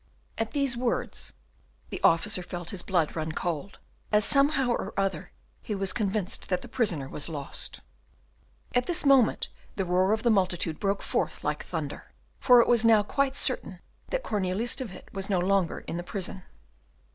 At these words the officer felt his blood run cold, as somehow or other he was convinced that the prisoner was lost. At this moment the roar of the multitude broke forth like thunder, for it was now quite certain that Cornelius de Witt was no longer in the prison.